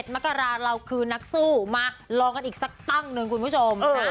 มกราเราคือนักสู้มาลองกันอีกสักตั้งหนึ่งคุณผู้ชม